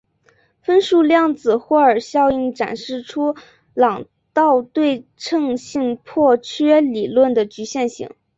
分数量子霍尔效应展示出朗道对称性破缺理论的局限性。